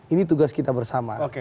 ini tugas kita bersama